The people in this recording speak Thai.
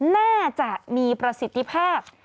น่าจะมีประสิทธิภาพ